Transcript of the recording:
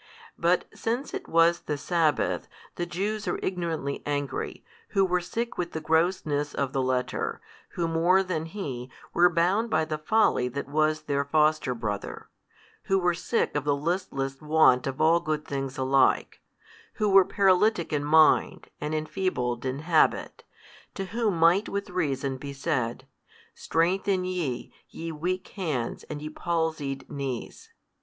But since it was |313 the sabbath, the Jews are ignorantly angry, who were sick with the grossness of the letter, who more than he, were bound by the folly that was their foster brother, who were sick of the listless want of all good things alike, who were paralytic in mind and enfeebled in habit, to whom might with reason be said, Strengthen ye, ye weak hands and ye palsied knees.